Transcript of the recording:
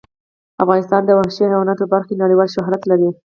افغانستان د وحشي حیواناتو په برخه کې نړیوال شهرت لري.